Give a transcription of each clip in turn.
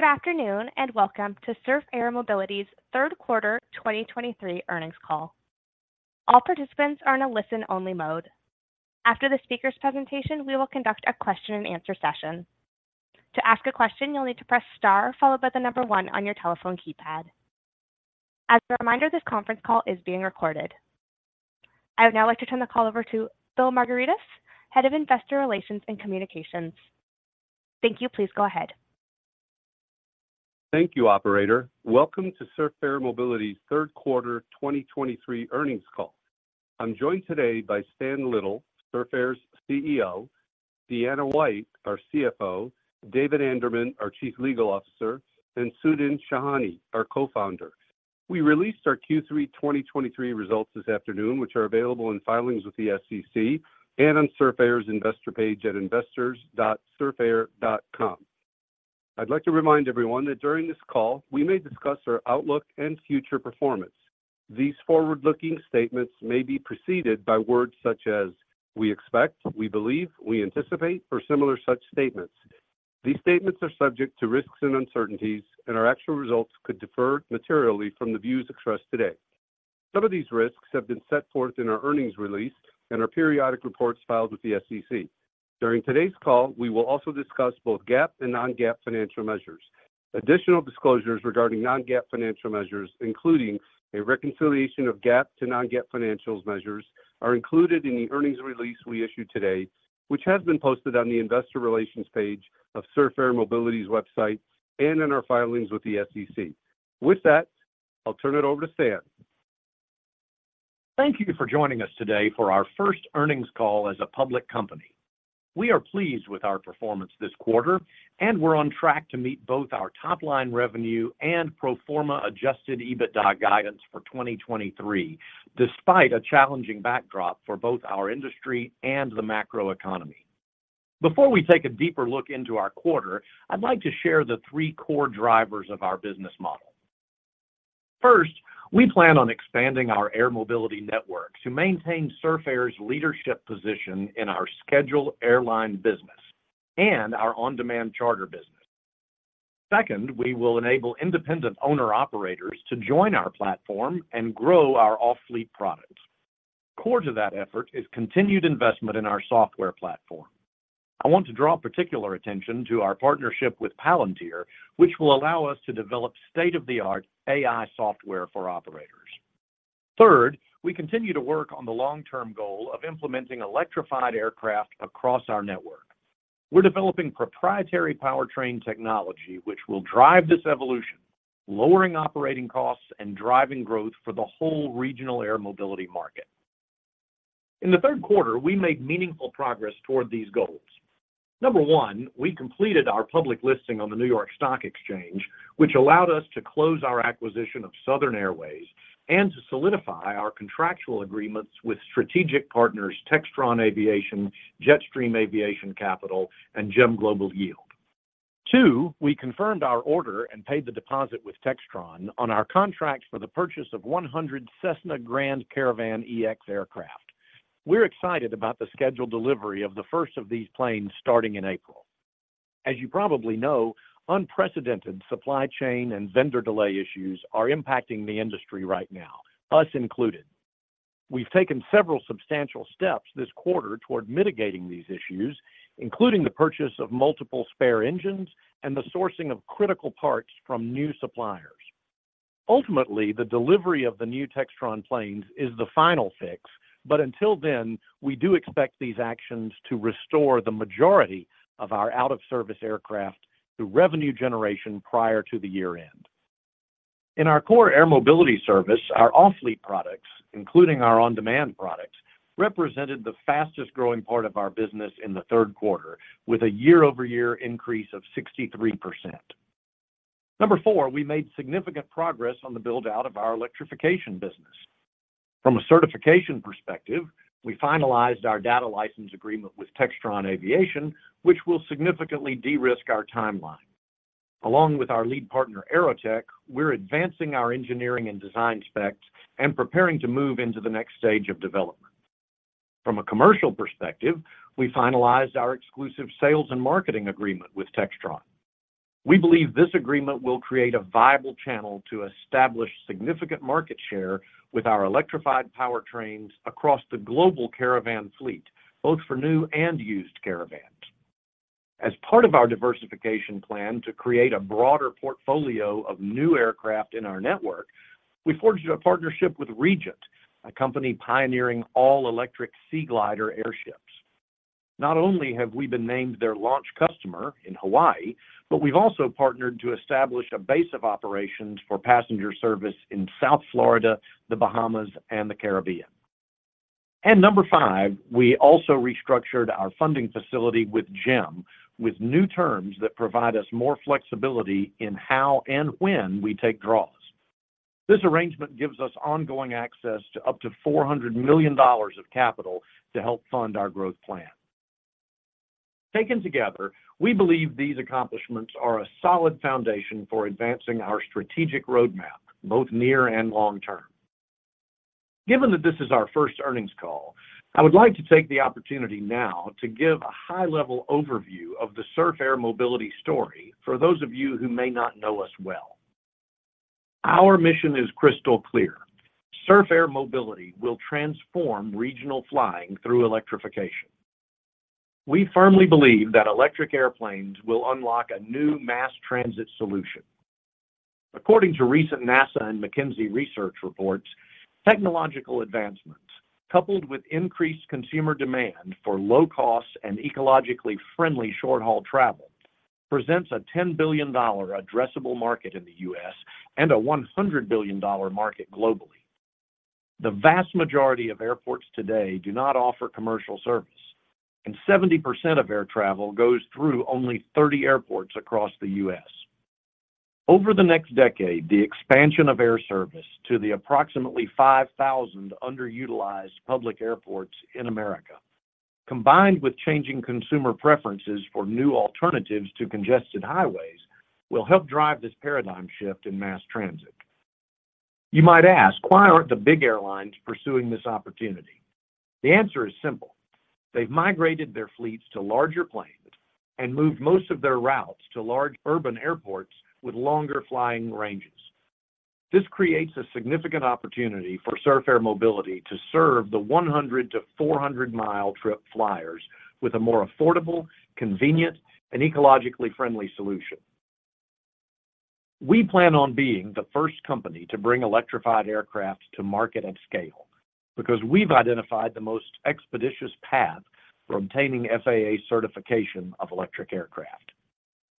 Good afternoon, and welcome to Surf Air Mobility's third quarter 2023 earnings call. All participants are in a listen-only mode. After the speaker's presentation, we will conduct a question-and-answer session. To ask a question, you'll need to press star followed by the number 1 on your telephone keypad. As a reminder, this conference call is being recorded. I would now like to turn the call over to Bill Margaritis, Head of Investor Relations and Communications. Thank you. Please go ahead. Thank you, operator. Welcome to Surf Air Mobility's third quarter 2023 earnings call. I'm joined today by Stan Little, Surf Air's CEO, Deanna White, our CFO, David Anderman, our Chief Legal Officer, and Sudhin Shahani, our Co-founder. We released our Q3 2023 results this afternoon, which are available in filings with the SEC and on Surf Air's investor page at investors.surfair.com. I'd like to remind everyone that during this call, we may discuss our outlook and future performance. These forward-looking statements may be preceded by words such as we expect, we believe, we anticipate, or similar such statements. These statements are subject to risks and uncertainties, and our actual results could differ materially from the views expressed today. Some of these risks have been set forth in our earnings release and our periodic reports filed with the SEC. During today's call, we will also discuss both GAAP and non-GAAP financial measures. Additional disclosures regarding non-GAAP financial measures, including a reconciliation of GAAP to non-GAAP financial measures, are included in the earnings release we issued today, which has been posted on the investor relations page of Surf Air Mobility's website and in our filings with the SEC. With that, I'll turn it over to Stan. Thank you for joining us today for our first earnings call as a public company. We are pleased with our performance this quarter, and we're on track to meet both our top-line revenue and pro forma adjusted EBITDA guidance for 2023, despite a challenging backdrop for both our industry and the macro economy. Before we take a deeper look into our quarter, I'd like to share the three core drivers of our business model. First, we plan on expanding our air mobility network to maintain Surf Air's leadership position in our scheduled airline business and our on-demand charter business. Second, we will enable independent owner-operators to join our platform and grow our off-fleet product. Core to that effort is continued investment in our software platform. I want to draw particular attention to our partnership with Palantir, which will allow us to develop state-of-the-art AI software for operators. Third, we continue to work on the long-term goal of implementing electrified aircraft across our network. We're developing proprietary powertrain technology, which will drive this evolution, lowering operating costs and driving growth for the whole regional air mobility market. In the third quarter, we made meaningful progress toward these goals. Number 1, we completed our public listing on the New York Stock Exchange, which allowed us to close our acquisition of Southern Airways and to solidify our contractual agreements with strategic partners Textron Aviation, Jetstream Aviation Capital, and GEM Global Yield. 2, we confirmed our order and paid the deposit with Textron on our contract for the purchase of 100 Cessna Grand Caravan EX aircraft. We're excited about the scheduled delivery of the first of these planes starting in April. As you probably know, unprecedented supply chain and vendor delay issues are impacting the industry right now, us included. We've taken several substantial steps this quarter toward mitigating these issues, including the purchase of multiple spare engines and the sourcing of critical parts from new suppliers. Ultimately, the delivery of the new Textron planes is the final fix, but until then, we do expect these actions to restore the majority of our out-of-service aircraft to revenue generation prior to the year-end. In our core air mobility service, our off-fleet products, including our on-demand products, represented the fastest-growing part of our business in the third quarter, with a year-over-year increase of 63%. Number 4, we made significant progress on the build-out of our electrification business. From a certification perspective, we finalized our data license agreement with Textron Aviation, which will significantly de-risk our timeline. Along with our lead partner, AeroTEC, we're advancing our engineering and design specs and preparing to move into the next stage of development. From a commercial perspective, we finalized our exclusive sales and marketing agreement with Textron. We believe this agreement will create a viable channel to establish significant market share with our electrified powertrains across the global Caravan fleet, both for new and used Caravans. As part of our diversification plan to create a broader portfolio of new aircraft in our network, we forged a partnership with REGENT, a company pioneering all-electric seaglider airships. Not only have we been named their launch customer in Hawaii, but we've also partnered to establish a base of operations for passenger service in South Florida, the Bahamas, and the Caribbean. And number 5, we also restructured our funding facility with GEM, with new terms that provide us more flexibility in how and when we take draws. This arrangement gives us ongoing access to up to $400 million of capital to help fund our growth plan. Taken together, we believe these accomplishments are a solid foundation for advancing our strategic roadmap, both near and long term. Given that this is our first earnings call, I would like to take the opportunity now to give a high-level overview of the Surf Air Mobility story for those of you who may not know us well. Our mission is crystal clear: Surf Air Mobility will transform regional flying through electrification. We firmly believe that electric airplanes will unlock a new mass transit solution. According to recent NASA and McKinsey research reports, technological advancements, coupled with increased consumer demand for low-cost and ecologically friendly short-haul travel, presents a $10 billion addressable market in the U.S. and a $100 billion market globally. The vast majority of airports today do not offer commercial service, and 70% of air travel goes through only 30 airports across the U.S. Over the next decade, the expansion of air service to the approximately 5,000 underutilized public airports in America, combined with changing consumer preferences for new alternatives to congested highways, will help drive this paradigm shift in mass transit. You might ask, why aren't the big airlines pursuing this opportunity? The answer is simple: they've migrated their fleets to larger planes and moved most of their routes to large urban airports with longer flying ranges. This creates a significant opportunity for Surf Air Mobility to serve the 100 mile-400 mile trip flyers with a more affordable, convenient, and ecologically friendly solution. We plan on being the first company to bring electrified aircraft to market at scale because we've identified the most expeditious path for obtaining FAA certification of electric aircraft.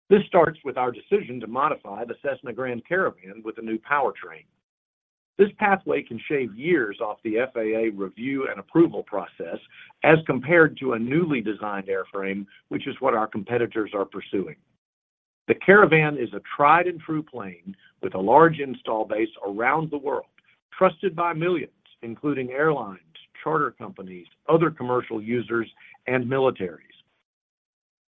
This starts with our decision to modify the Cessna Grand Caravan with a new powertrain. This pathway can shave years off the FAA review and approval process as compared to a newly designed airframe, which is what our competitors are pursuing. The Caravan is a tried and true plane with a large install base around the world, trusted by millions, including airlines, charter companies, other commercial users, and militaries.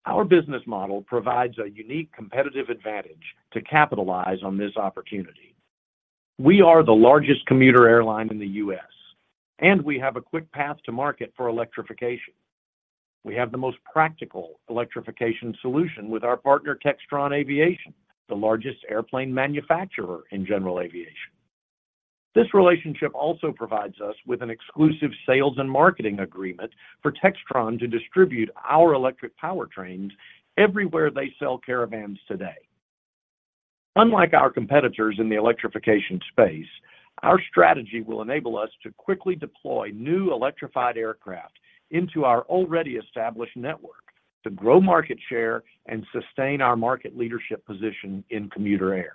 Our business model provides a unique competitive advantage to capitalize on this opportunity. We are the largest commuter airline in the U.S., and we have a quick path to market for electrification. We have the most practical electrification solution with our partner, Textron Aviation, the largest airplane manufacturer in general aviation. This relationship also provides us with an exclusive sales and marketing agreement for Textron to distribute our electric powertrains everywhere they sell Caravans today. Unlike our competitors in the electrification space, our strategy will enable us to quickly deploy new electrified aircraft into our already established network to grow market share and sustain our market leadership position in commuter air.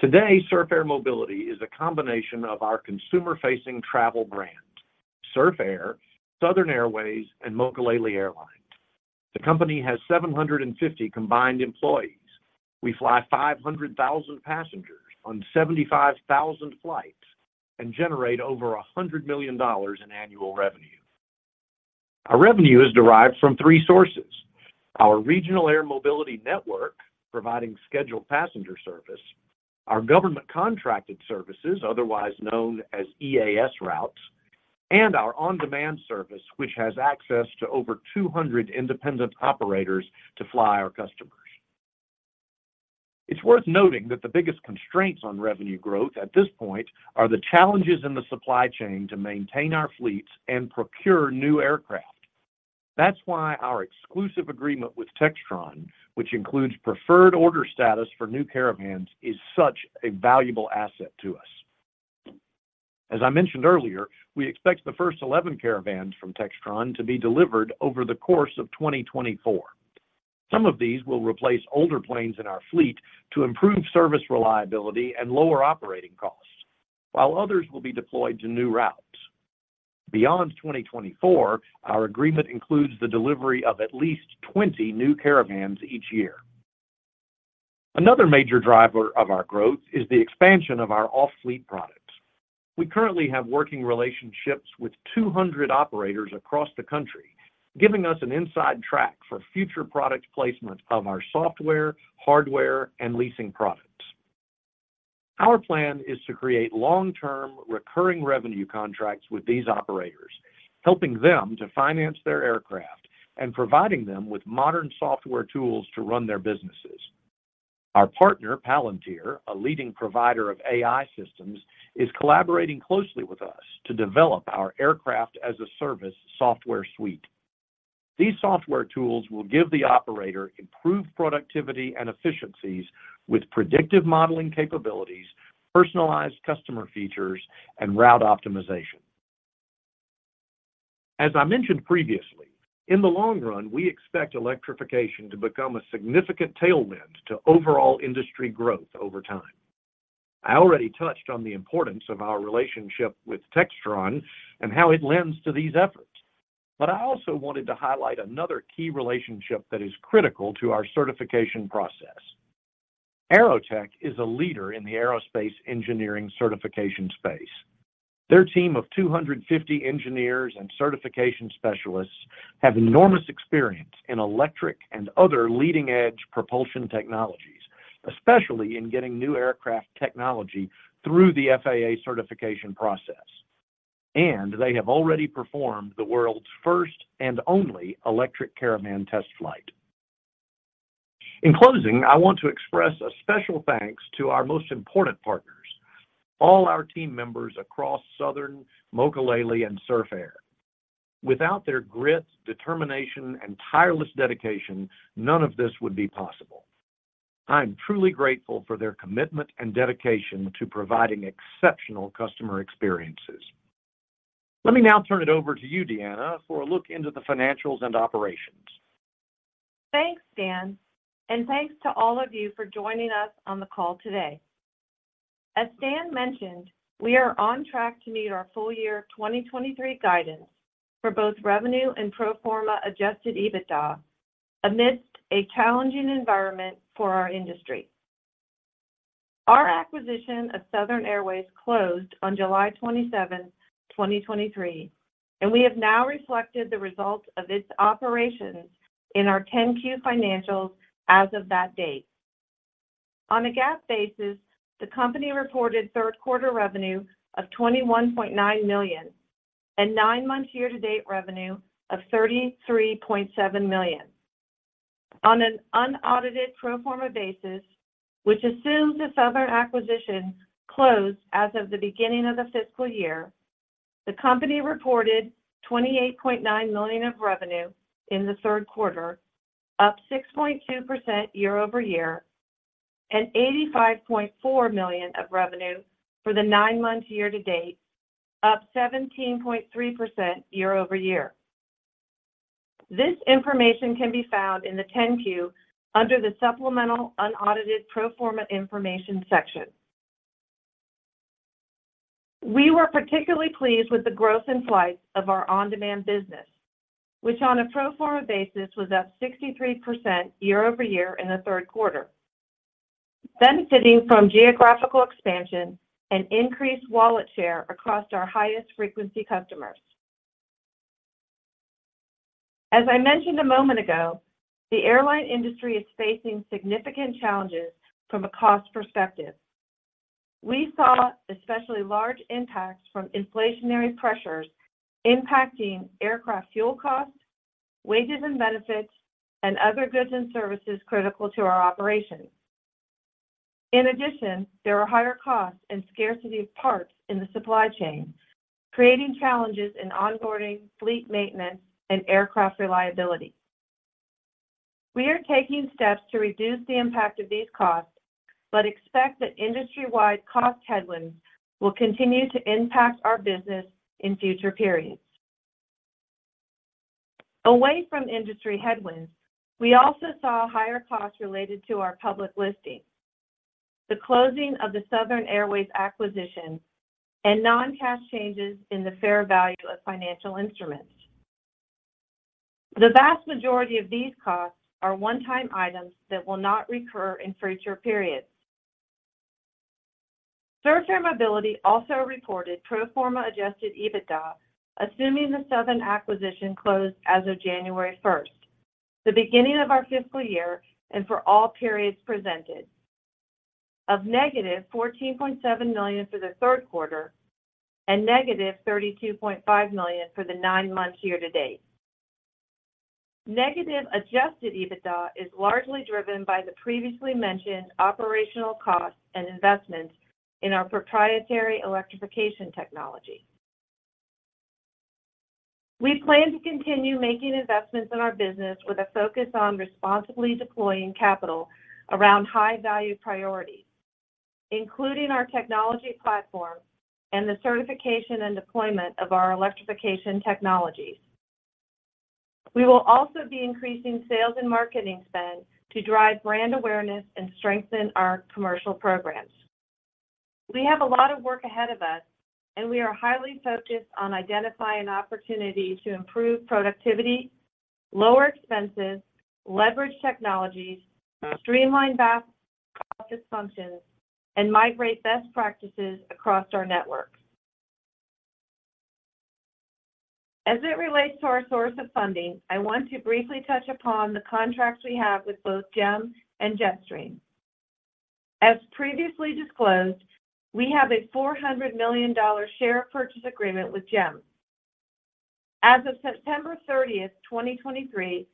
Today, Surf Air Mobility is a combination of our consumer-facing travel brand, Surf Air, Southern Airways, and Mokulele Airlines. The company has 750 combined employees. We fly 500,000 passengers on 75,000 flights and generate over $100 million in annual revenue. Our revenue is derived from three sources: our regional air mobility network, providing scheduled passenger service, our government contracted services, otherwise known as EAS routes, and our on-demand service, which has access to over 200 independent operators to fly our customers. It's worth noting that the biggest constraints on revenue growth at this point are the challenges in the supply chain to maintain our fleets and procure new aircraft. That's why our exclusive agreement with Textron, which includes preferred order status for new Caravans, is such a valuable asset to us. As I mentioned earlier, we expect the first 11 Caravans from Textron to be delivered over the course of 2024. Some of these will replace older planes in our fleet to improve service reliability and lower operating costs, while others will be deployed to new routes. Beyond 2024, our agreement includes the delivery of at least 20 new Caravans each year. Another major driver of our growth is the expansion of our off-fleet products. We currently have working relationships with 200 operators across the country, giving us an inside track for future product placement of our software, hardware, and leasing products. Our plan is to create long-term, recurring revenue contracts with these operators, helping them to finance their aircraft and providing them with modern software tools to run their businesses. Our partner, Palantir, a leading provider of AI systems, is collaborating closely with us to develop our Aircraft-as-a-Service software suite. These software tools will give the operator improved productivity and efficiencies with predictive modeling capabilities, personalized customer features, and route optimization. As I mentioned previously, in the long run, we expect electrification to become a significant tailwind to overall industry growth over time. I already touched on the importance of our relationship with Textron and how it lends to these efforts, but I also wanted to highlight another key relationship that is critical to our certification process. AeroTEC is a leader in the aerospace engineering certification space. Their team of 250 engineers and certification specialists have enormous experience in electric and other leading-edge propulsion technologies.... especially in getting new aircraft technology through the FAA certification process, and they have already performed the world's first and only electric Caravan test flight. In closing, I want to express a special thanks to our most important partners, all our team members across Southern, Mokulele, and Surf Air. Without their grit, determination, and tireless dedication, none of this would be possible. I'm truly grateful for their commitment and dedication to providing exceptional customer experiences. Let me now turn it over to you, Deanna, for a look into the financials and operations. Thanks, Stan, and thanks to all of you for joining us on the call today. As Stan mentioned, we are on track to meet our full year 2023 guidance for both revenue and pro forma adjusted EBITDA amidst a challenging environment for our industry. Our acquisition of Southern Airways closed on July 27, 2023, and we have now reflected the results of its operations in our 10-Q financials as of that date. On a GAAP basis, the company reported third quarter revenue of $21.9 million and nine-month year-to-date revenue of $33.7 million. On an unaudited pro forma basis, which assumes the Southern acquisition closed as of the beginning of the fiscal year, the company reported $28.9 million of revenue in the third quarter, up 6.2% year-over-year, and $85.4 million of revenue for the nine months year to date, up 17.3% year-over-year. This information can be found in the 10-Q under the supplemental unaudited pro forma Information section. We were particularly pleased with the growth in flights of our on-demand business, which, on a pro forma basis, was up 63% year-over-year in the third quarter, benefiting from geographical expansion and increased wallet share across our highest frequency customers. As I mentioned a moment ago, the airline industry is facing significant challenges from a cost perspective. We saw especially large impacts from inflationary pressures impacting aircraft fuel costs, wages and benefits, and other goods and services critical to our operations. In addition, there are higher costs and scarcity of parts in the supply chain, creating challenges in onboarding, fleet maintenance, and aircraft reliability. We are taking steps to reduce the impact of these costs, but expect that industry-wide cost headwinds will continue to impact our business in future periods. Away from industry headwinds, we also saw higher costs related to our public listing, the closing of the Southern Airways acquisition, and non-cash changes in the fair value of financial instruments. The vast majority of these costs are one-time items that will not recur in future periods. Surf Air Mobility also reported pro forma adjusted EBITDA, assuming the Southern acquisition closed as of January first, the beginning of our fiscal year and for all periods presented, of -$14.7 million for the third quarter and -$32.5 million for the nine months year to date. Negative adjusted EBITDA is largely driven by the previously mentioned operational costs and investments in our proprietary electrification technology. We plan to continue making investments in our business with a focus on responsibly deploying capital around high-value priorities, including our technology platform and the certification and deployment of our electrification technologies. We will also be increasing sales and marketing spend to drive brand awareness and strengthen our commercial programs. We have a lot of work ahead of us, and we are highly focused on identifying opportunities to improve productivity, lower expenses, leverage technologies, streamline back office functions, and migrate best practices across our network. As it relates to our source of funding, I want to briefly touch upon the contracts we have with both GEM and Jetstream. As previously disclosed, we have a $400 million share purchase agreement with GEM. As of September 30th, 2023,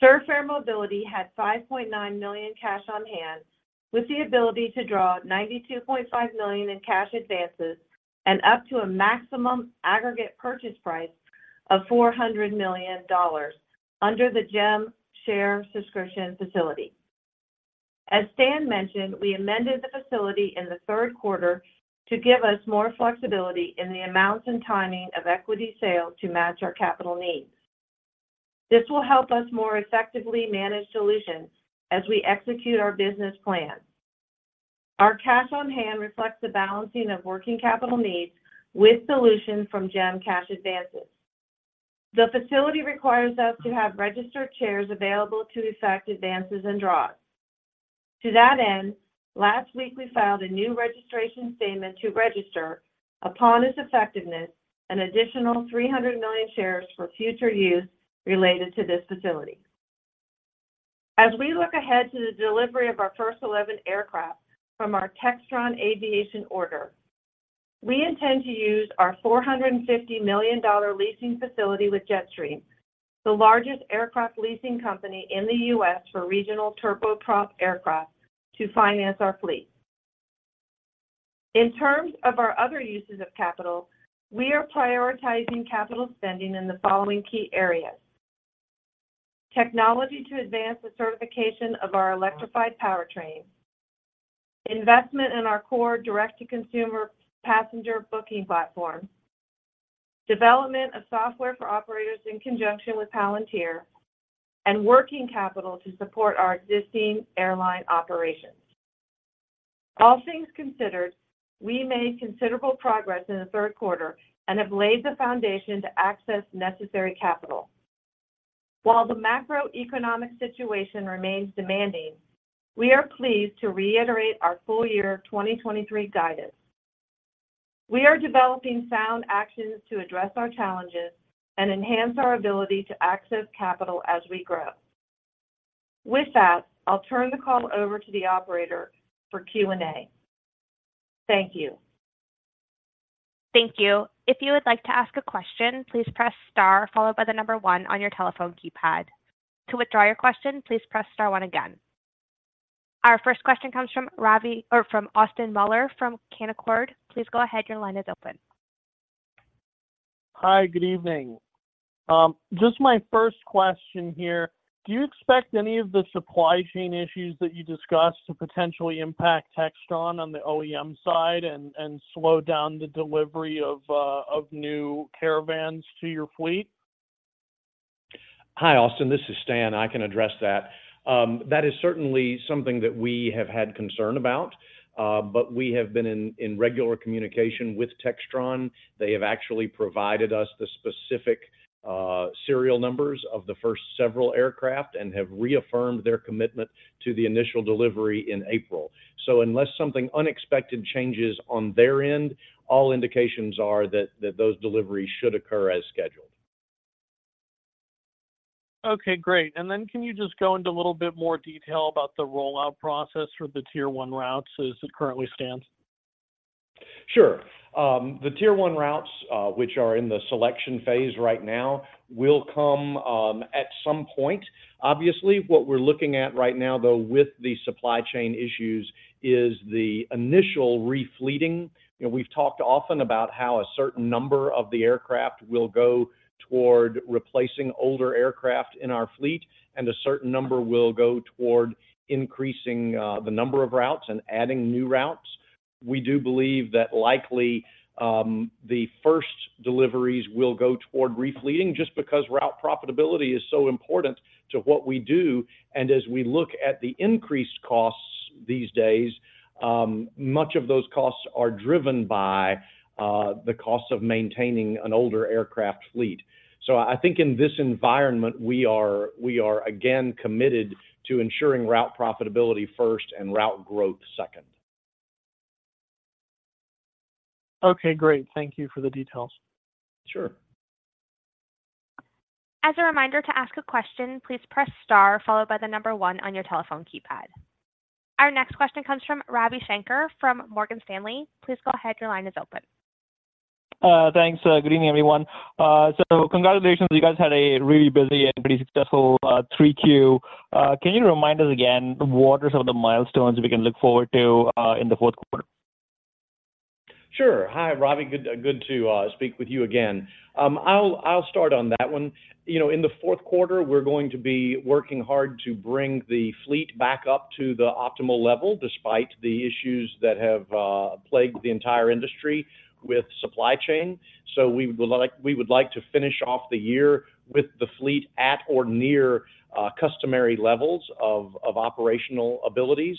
Surf Air Mobility had $5.9 million cash on hand, with the ability to draw $92.5 million in cash advances and up to a maximum aggregate purchase price of $400 million under the GEM share subscription facility. As Stan mentioned, we amended the facility in the third quarter to give us more flexibility in the amounts and timing of equity sale to match our capital needs. This will help us more effectively manage solutions as we execute our business plan. Our cash on hand reflects the balancing of working capital needs with solutions from GEM cash advances. The facility requires us to have registered shares available to effect advances and draws. To that end, last week, we filed a new registration statement to register, upon its effectiveness, an additional 300 million shares for future use related to this facility. As we look ahead to the delivery of our first 11 aircraft from our Textron Aviation order, we intend to use our $450 million leasing facility with Jetstream, the largest aircraft leasing company in the U.S. for regional turboprop aircraft, to finance our fleet. In terms of our other uses of capital, we are prioritizing capital spending in the following key areas: technology to advance the certification of our electrified powertrain, investment in our core direct-to-consumer passenger booking platform, development of software for operators in conjunction with Palantir, and working capital to support our existing airline operations. All things considered, we made considerable progress in the third quarter and have laid the foundation to access necessary capital. While the macroeconomic situation remains demanding, we are pleased to reiterate our full year 2023 guidance. We are developing sound actions to address our challenges and enhance our ability to access capital as we grow. With that, I'll turn the call over to the operator for Q&A. Thank you. Thank you. If you would like to ask a question, please press star followed by the number one on your telephone keypad. To withdraw your question, please press star one again. Our first question comes from Ravi-- or from Austin Moeller from Canaccord. Please go ahead. Your line is open. Hi, good evening. Just my first question here: Do you expect any of the supply chain issues that you discussed to potentially impact Textron on the OEM side and slow down the delivery of new Caravans to your fleet? Hi, Austin, this is Stan. I can address that. That is certainly something that we have had concern about, but we have been in regular communication with Textron. They have actually provided us the specific serial numbers of the first several aircraft and have reaffirmed their commitment to the initial delivery in April. So unless something unexpected changes on their end, all indications are that those deliveries should occur as scheduled. Okay, great. And then can you just go into a little bit more detail about the rollout process for the Tier 1 routes as it currently stands? Sure. The Tier 1 routes, which are in the selection phase right now, will come at some point. Obviously, what we're looking at right now, though, with the supply chain issues is the initial refleeting. We've talked often about how a certain number of the aircraft will go toward replacing older aircraft in our fleet, and a certain number will go toward increasing the number of routes and adding new routes. We do believe that likely the first deliveries will go toward refleeting just because route profitability is so important to what we do. And as we look at the increased costs these days, much of those costs are driven by the cost of maintaining an older aircraft fleet. So I think in this environment, we are again committed to ensuring route profitability first and route growth second. Okay, great. Thank you for the details. Sure. As a reminder to ask a question, please press star followed by the number one on your telephone keypad. Our next question comes from Ravi Shanker from Morgan Stanley. Please go ahead. Your line is open. Thanks. Good evening, everyone. So congratulations, you guys had a really busy and pretty successful Q3. Can you remind us again what are some of the milestones we can look forward to in the fourth quarter? Sure. Hi, Ravi. Good to speak with you again. I'll start on that one. You know, in the fourth quarter, we're going to be working hard to bring the fleet back up to the optimal level, despite the issues that have plagued the entire industry with supply chain. So we would like to finish off the year with the fleet at or near customary levels of operational abilities.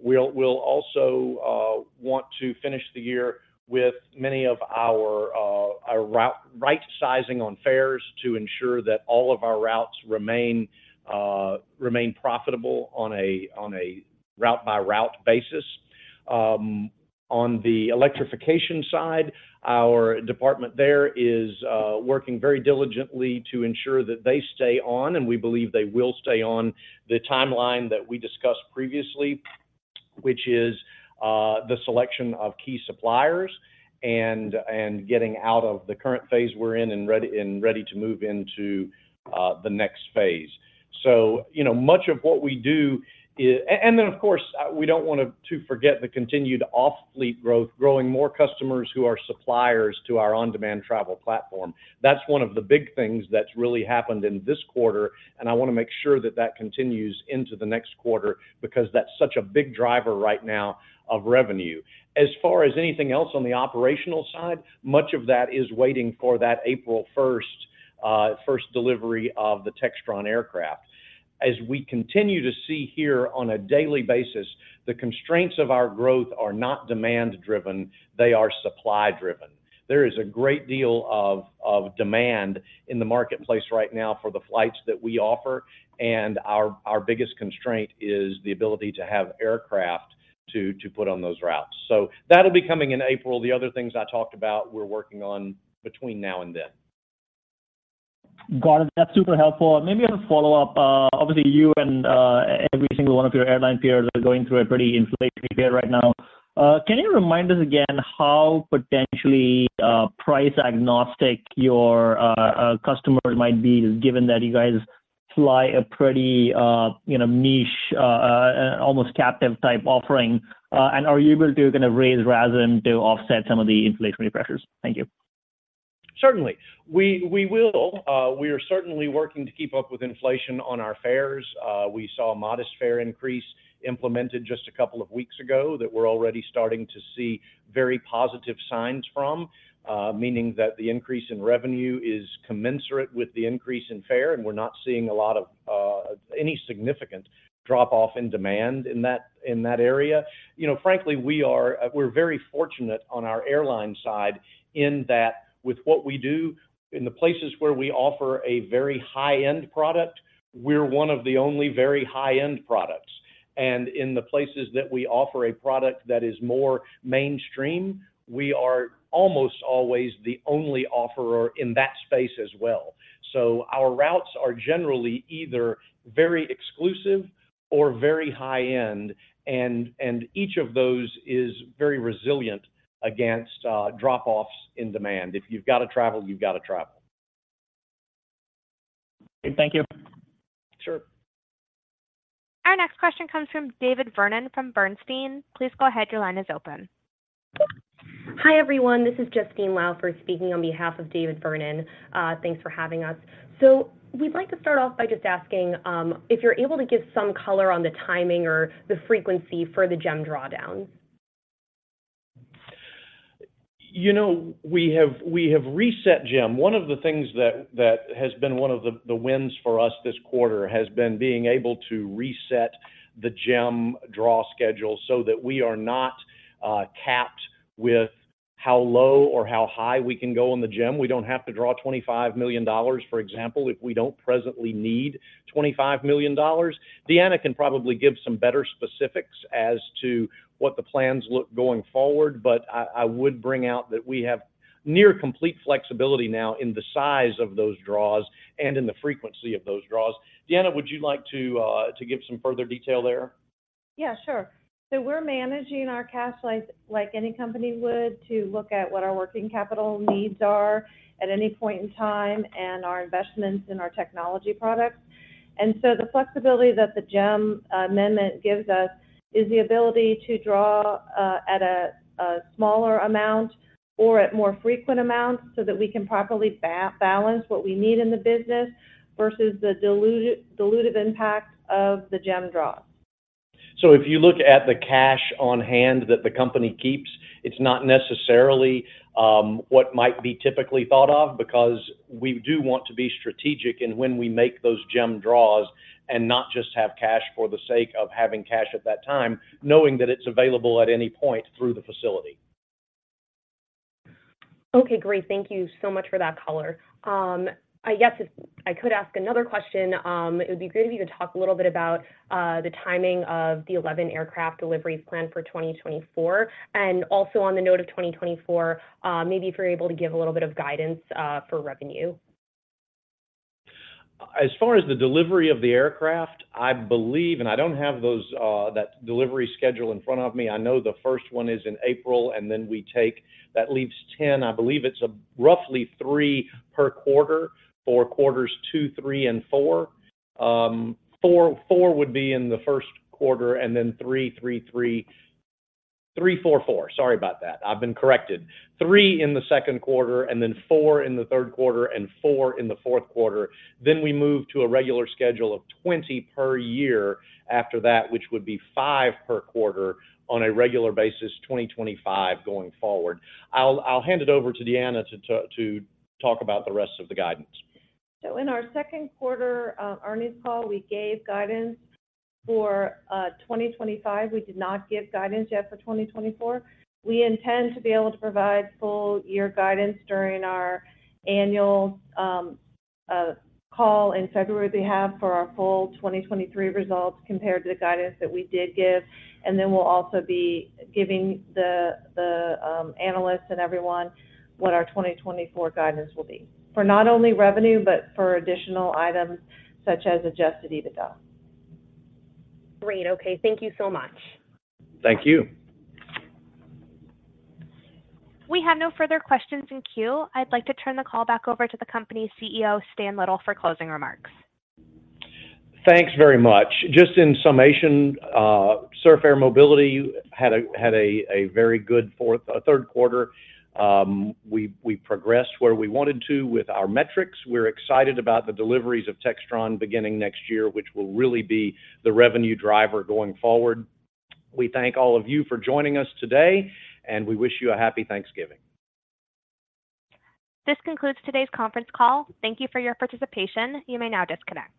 We'll also want to finish the year with many of our routes right-sizing on fares to ensure that all of our routes remain profitable on a route-by-route basis. On the electrification side, our department there is working very diligently to ensure that they stay on, and we believe they will stay on the timeline that we discussed previously, which is the selection of key suppliers and getting out of the current phase we're in and ready, and ready to move into the next phase. So, you know, much of what we do is... And then, of course, we don't want to forget the continued off-fleet growth, growing more customers who are suppliers to our on-demand travel platform. That's one of the big things that's really happened in this quarter, and I want to make sure that that continues into the next quarter because that's such a big driver right now of revenue. As far as anything else on the operational side, much of that is waiting for that April first, first delivery of the Textron aircraft. As we continue to see here on a daily basis, the constraints of our growth are not demand-driven, they are supply-driven. There is a great deal of, of demand in the marketplace right now for the flights that we offer, and our, our biggest constraint is the ability to have aircraft to, to put on those routes. So that'll be coming in April. The other things I talked about, we're working on between now and then. Got it. That's super helpful. Maybe as a follow-up, obviously, you and every single one of your airline peers are going through a pretty inflationary period right now. Can you remind us again how potentially price-agnostic your customer might be, given that you guys fly a pretty you know niche almost captive-type offering? And are you able to kind of raise rather than to offset some of the inflationary pressures? Thank you. Certainly. We are certainly working to keep up with inflation on our fares. We saw a modest fare increase implemented just a couple of weeks ago that we're already starting to see very positive signs from, meaning that the increase in revenue is commensurate with the increase in fare, and we're not seeing a lot of any significant drop-off in demand in that area. You know, frankly, we're very fortunate on our airline side in that with what we do, in the places where we offer a very high-end product, we're one of the only very high-end products. And in the places that we offer a product that is more mainstream, we are almost always the only offerer in that space as well. Our routes are generally either very exclusive or very high-end, and each of those is very resilient against drop-offs in demand. If you've got to travel, you've got to travel. Thank you. Sure. Our next question comes from David Vernon from Bernstein. Please go ahead. Your line is open. Hi, everyone. This is Justine Lauer speaking on behalf of David Vernon. Thanks for having us. We'd like to start off by just asking if you're able to give some color on the timing or the frequency for the GEM drawdown. You know, we have, we have reset GEM. One of the things that, that has been one of the, the wins for us this quarter has been being able to reset the GEM draw schedule so that we are not capped with how low or how high we can go on the GEM. We don't have to draw $25 million, for example, if we don't presently need $25 million. Deanna can probably give some better specifics as to what the plans look going forward, but I, I would bring out that we have near complete flexibility now in the size of those draws and in the frequency of those draws. Deanna, would you like to give some further detail there? Yeah, sure. So we're managing our cash like, like any company would to look at what our working capital needs are at any point in time and our investments in our technology products. And so the flexibility that the GEM amendment gives us is the ability to draw at a smaller amount or at more frequent amounts so that we can properly balance what we need in the business versus the diluted, dilutive impact of the GEM draws. So if you look at the cash on hand that the company keeps, it's not necessarily what might be typically thought of because we do want to be strategic in when we make those GEM draws and not just have cash for the sake of having cash at that time, knowing that it's available at any point through the facility. Okay, great. Thank you so much for that color. I guess if I could ask another question, it would be great if you could talk a little bit about the timing of the 11 aircraft deliveries planned for 2024. And also on the note of 2024, maybe if you're able to give a little bit of guidance for revenue. As far as the delivery of the aircraft, I believe, and I don't have those, that delivery schedule in front of me. I know the first one is in April, and then we take-- that leaves 10. I believe it's roughly three per quarter for quarters two, three, and four. Four, four would be in the first quarter, and then three, three, three... Three, four, four. Sorry about that. I've been corrected. three in the second quarter, and then four in the third quarter, and four in the fourth quarter. Then we move to a regular schedule of 20 per year after that, which would be five per quarter on a regular basis, 2025 going forward. I'll, I'll hand it over to Deanna to talk about the rest of the guidance. So in our second quarter earnings call, we gave guidance for 2025. We did not give guidance yet for 2024. We intend to be able to provide full-year guidance during our annual call in February we have for our full 2023 results compared to the guidance that we did give. And then we'll also be giving the analysts and everyone what our 2024 guidance will be, for not only revenue, but for additional items such as adjusted EBITDA. Great. Okay, thank you so much. Thank you. We have no further questions in queue. I'd like to turn the call back over to the company's CEO, Stan Little, for closing remarks. Thanks very much. Just in summation, Surf Air Mobility had a very good third quarter. We progressed where we wanted to with our metrics. We're excited about the deliveries of Textron beginning next year, which will really be the revenue driver going forward. We thank all of you for joining us today, and we wish you a happy Thanksgiving. This concludes today's conference call. Thank you for your participation. You may now disconnect.